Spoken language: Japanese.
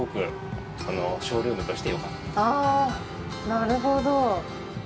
なるほど。